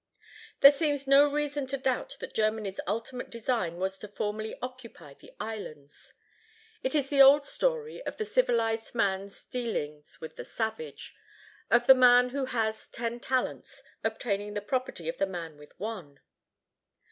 There seems no reason to doubt that Germany's ultimate design was to formally occupy the islands. It is the old story of the civilized man's dealings with the savage; of the man who has ten talents, obtaining the property of the man with one.